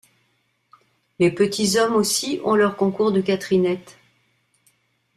Les Petits Hommes aussi ont leur concours de Catherinettes.